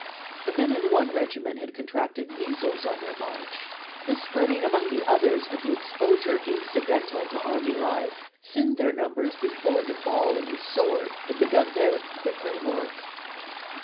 The men in one regiment had contracted measles on their march; this spreading among others with the exposure incidental to army life thinned their numbers before the ball and the sword had begun their quicker work.